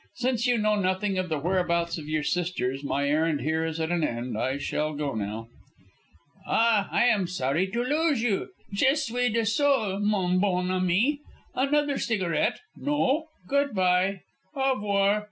Since you know nothing of the whereabouts of your sisters, my errand here is at an end. I shall go now." "Ah, I am sorry to lose you. Je suis désolé, mon bon ami. Another cigarette? No? Good bye. _Au revoir!